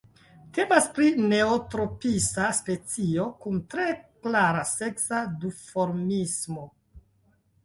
Temas pri neotropisa specio kun tre klara seksa duformismo.